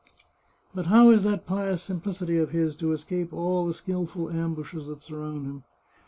But how is that pious simplicity of his to escape all the skilful ambushes that surround him